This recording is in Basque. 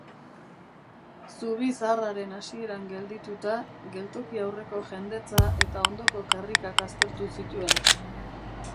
Zubi zaharraren hasieran geldituta, geltoki aurreko jendetza eta ondoko karrikak aztertu zituen.